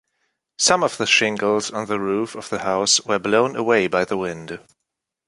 Some of the shingles on the roof of the house were blown away by the wind.